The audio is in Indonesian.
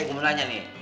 eh gue mau tanya nih